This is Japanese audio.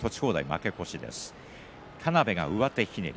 田邉が、上手ひねり。